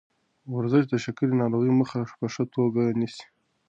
ورزش د شکرې ناروغۍ مخه په ښه توګه نیسي.